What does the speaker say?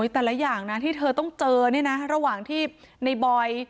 แต่ละอย่างนะที่เธอต้องเจอเนี่ยนะระหว่างที่ในบอย